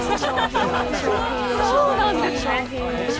そうなんですか？